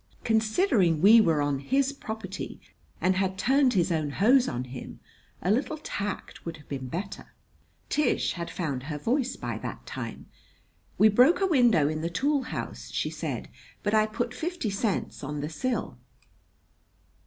Considering we were on his property and had turned his own hose on him, a little tact would have been better. Tish had found her voice by that time. "We broke a window in the tool house," she said; "but I put fifty cents on the sill."